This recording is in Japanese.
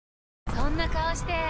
そんな顔して！